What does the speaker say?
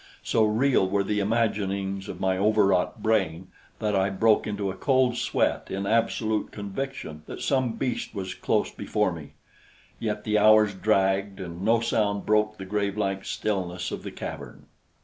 So real were the imaginings of my overwrought brain that I broke into a cold sweat in absolute conviction that some beast was close before me; yet the hours dragged, and no sound broke the grave like stillness of the cavern.